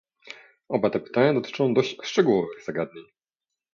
Oba te pytania dotyczą dość szczegółowych zagadnień